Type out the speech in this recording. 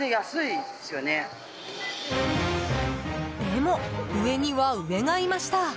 でも、上には上がいました。